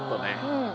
うん。